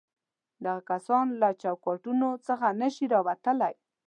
دغه کسان له چوکاټونو څخه نه شي راوتلای.